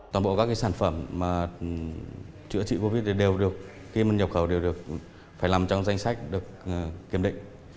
toàn bộ các sản phẩm chữa trị covid thì đều được khi mà nhập khẩu đều được phải nằm trong danh sách được kiểm định